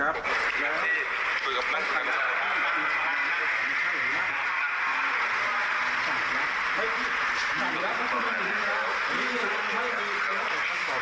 หายอันนี้มันจะสดครับ